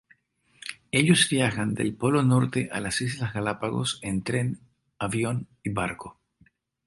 Ellos viajan del Polo Norte a las Islas Galápagos en tren, avión y barco.